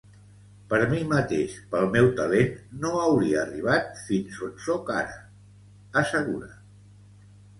Per mi mateix, pel meu talent, no hauria arribat fins on sóc ara, assegura.